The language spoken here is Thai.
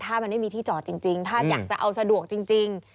ถ้ามันไม่มีที่จอดจริงถ้าอยากจะเอาสะดวกจริง